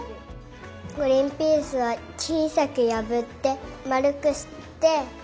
グリンピースはちいさくやぶってまるくして。